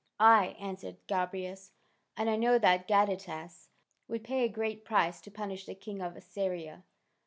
"Aye," answered Gobryas, "and I know that Gadatas would pay a great price to punish the king of Assyria.